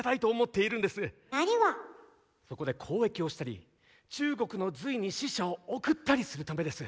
そこで交易をしたり中国の隋に使者を送ったりするためです。